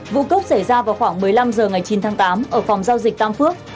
vụ cốc xảy ra vào khoảng một mươi năm h ngày chín tháng tám ở phòng giao dịch tam phước